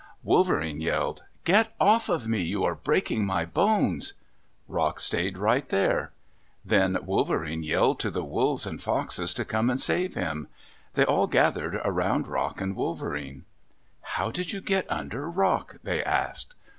Wolverene yelled, "Get off of me. You are breaking my bones!" Rock stayed right there. Then Wolverene yelled to the Wolves and Foxes to come and save him. They all gathered around Rock and Wolverene. "How did you get under Rock?" they asked.